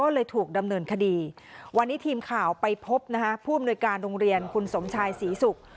เลยถูกดำเนินคดีวันนี้ทีมข่าวไปพบนะฮะผู้อำนวยการโรงเรียนคุณสมชายศรีศุกร์